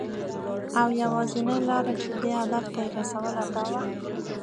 او یوازېنۍ لاره چې دې هدف ته یې رسوله، دا وه .